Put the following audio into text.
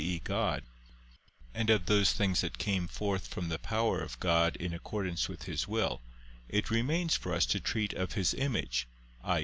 e. God, and of those things which came forth from the power of God in accordance with His will; it remains for us to treat of His image, i.